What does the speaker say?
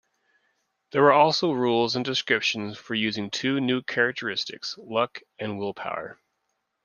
There were also rules and descriptions for using two new Characteristics: Luck and Willpower.